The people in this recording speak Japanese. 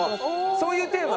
そういうテーマ？